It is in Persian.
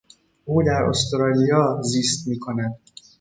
او در استرالیا زیست میکند.